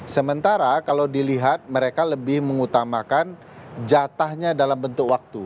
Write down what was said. sementara kalau dilihat mereka lebih mengutamakan jatahnya dalam bentuk waktu